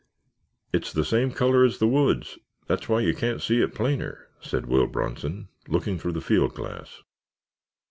"It's the same color as the woods, that's why you can't see it plainer," said Will Bronson, looking through the field glass.